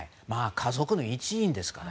家族の一員ですから。